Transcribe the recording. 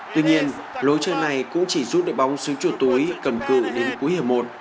tuy nhiên lối chơi này cũng chỉ giúp đội bóng xứ chuột túi cần cự đến cuối hiểm một